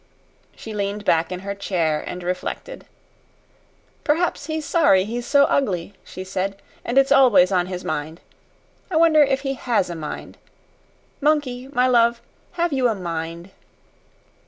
She leaned back in her chair and reflected. "Perhaps he's sorry he's so ugly," she said, "and it's always on his mind. I wonder if he HAS a mind. Monkey, my love, have you a mind?"